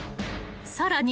［さらに］